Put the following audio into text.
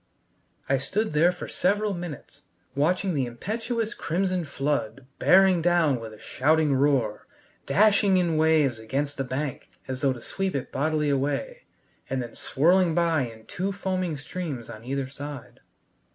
I stood there for several minutes, watching the impetuous crimson flood bearing down with a shouting roar, dashing in waves against the bank as though to sweep it bodily away, and then swirling by in two foaming streams on either side.